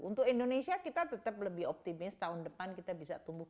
untuk indonesia kita tetap lebih optimis tahun depan kita bisa tumbuh